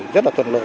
rất là thuận lợi